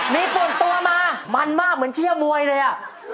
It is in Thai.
มีส่วนตัวมามันมากเหมือนเชื่อมวยเลยอ่ะ